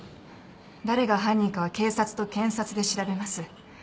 誰が犯人かは警察と検察で調べます。